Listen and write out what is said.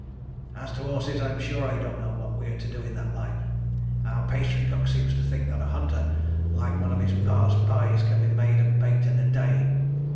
'As to horses, I'm sure I don't know what we are to do in that line. Our pastrycook seems to think that a hunter, like one of his pa's pies, can be made and baked in a day.